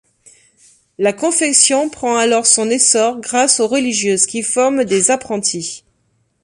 La confection prend alors son essor grâce aux religieuses qui forment des apprenties.